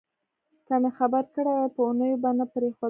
که مې خبر کړي وای په اوونیو به نه پرېښودو.